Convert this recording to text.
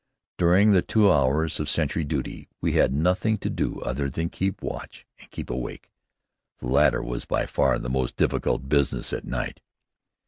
During the two hours of sentry duty we had nothing to do other than to keep watch and keep awake. The latter was by far the more difficult business at night.